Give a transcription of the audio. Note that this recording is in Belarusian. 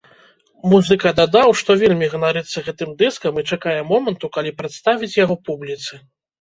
Музыка дадаў, што вельмі ганарыцца гэтым дыскам і чакае моманту, калі прадставіць яго публіцы.